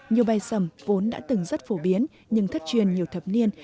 nhiều bài sẩm vốn đã từng rất phổ biến nhưng thất truyền nhiều thập niên